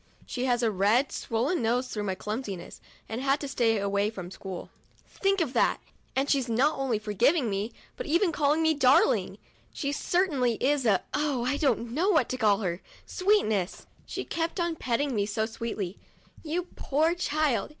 She has a red, swollen nose through my clumsiness, and has had to stay away from school. Think of that ! And she's not only forgiven me, but even called me darling ! She cer tainly is a — oh ! I don't know what to call her — sweetness ! She kept on petting me so sweetly. " You poor child